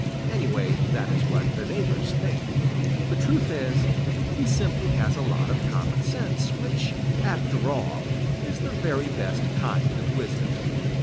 Anyway, that is what his neighbors think. The truth is, he simply has a lot of common sense, which after all is the very best kind of wisdom.